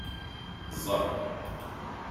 Ẓer.